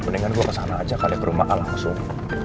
mendingan gue kesana aja kali ke rumah makan langsung